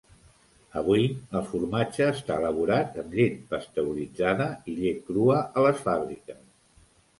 Avui, el formatge està elaborat amb llet pasteuritzada i llet crua a les fàbriques.